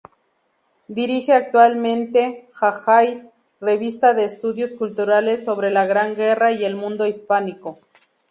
Dirige actualmente Hallali.Revista de estudios culturales sobre la Gran Guerra y el mundo hispánico.